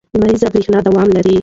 لمریزه برېښنا دوام لري.